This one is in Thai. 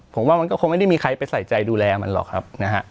ผมว่ามันก็คงไม่ได้มีใครไปใส่ใจดูแลมันหรอกครับนะฮะ